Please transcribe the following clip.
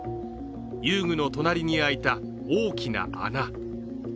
遊具の隣に空いた、大きな穴。